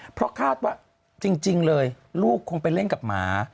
เพราะคาดว่าจริงเลยลูกคงไปเล่นกับหมา